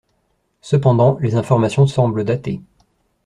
Cependant les informations semblent datées.